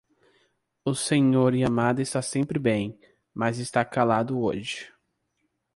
O Sr. Yamada está sempre bem, mas está calado hoje.